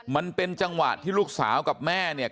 มันเป็นจังหวะที่ลูกสาวกับแม่เนี่ย